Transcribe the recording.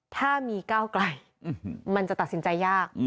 ถ้ามีก้าวไกลมันจะตัดสินใจยาก